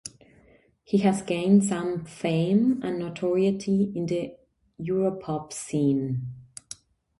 He has gained some fame and notoriety in the Europop scene.